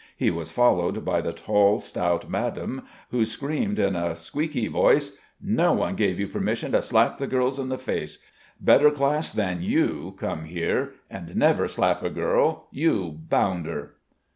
He was followed by the tall, stout madame, who screamed in a squeaky voice: "No one gave you permission to slap the girls in the face. Better class than you come here, and never slap a girl. You bounder!"